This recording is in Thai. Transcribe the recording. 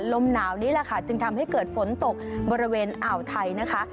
ลมหนาวนี้แหละค่ะจึงทำให้เกิดฝนตกบริเวณอ่าวไทยนะคะ